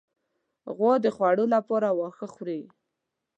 غوا د خوړو لپاره واښه خوري.